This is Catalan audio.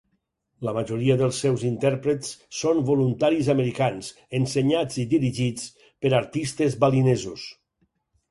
La majoria dels seus intèrprets són voluntaris americans, ensenyats i dirigits per artistes balinesos.